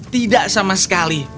tidak sama sekali